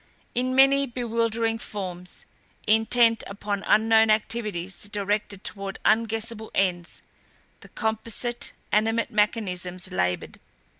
In many bewildering forms, intent upon unknown activities directed toward unguessable ends, the composite, animate mechanisms labored.